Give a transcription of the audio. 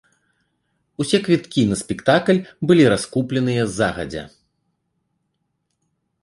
Усе квіткі на спектакль былі раскупленыя загадзя.